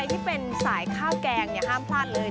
ที่เป็นสายข้าวแกงห้ามพลาดเลย